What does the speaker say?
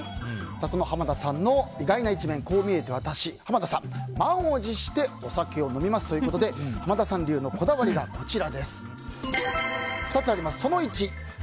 その濱田さんの意外な一面こう見えてワタシ濱田さん、満を持してお酒を飲みますということで濱田さん流のこだわりがこちら。